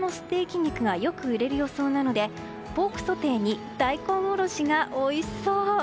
肉がよく売れる予想なのでポークソテーに大根おろしがおいしそう。